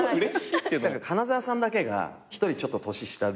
花澤さんだけが一人ちょっと年下で。